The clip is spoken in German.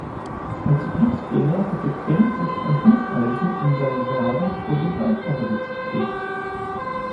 Als Glücksbringer hatte Ken sich ein Hufeisen in seinem Wagen vor den Beifahrersitz geklebt.